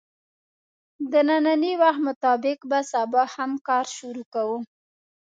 د نني وخت مطابق به سبا هم کار شروع کوو